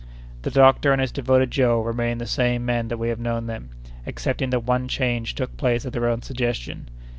The doctor and his devoted Joe remained the same men that we have known them, excepting that one change took place at their own suggestion.